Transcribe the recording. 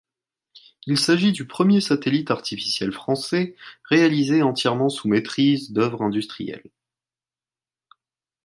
Il s'agit du premier satellite artificiel français réalisé entièrement sous maitrise d’œuvre industrielle.